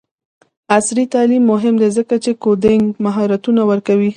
عصري تعلیم مهم دی ځکه چې کوډینګ مهارتونه ورکوي.